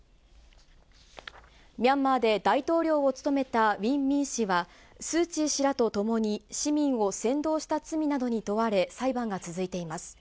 ミャンマーで大統領を務めたウィン・ミン氏は、スー・チー氏らと共に市民を扇動した罪などに問われ、裁判が続いています。